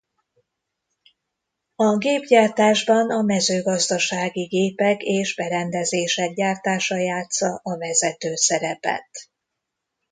A gépgyártásban a mezőgazdasági gépek és berendezések gyártása játssza a vezető szerepet.